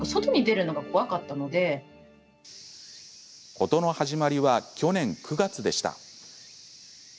事の始まりは去年９月でした。